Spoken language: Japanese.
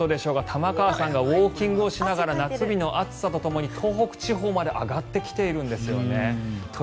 玉川さんがウォーキングをしながら夏日の暑さとともに東北地方まで上がってきているんですよね。